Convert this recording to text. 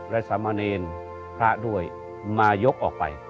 รัฐสรรค์มะเนียนพระด้วยมายกออกไป